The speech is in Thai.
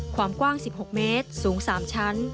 ความกว้าง๑๖เมตรสูง๓ชั้น